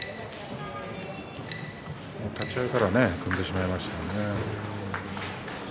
立ち合いから組んでしまいましたね。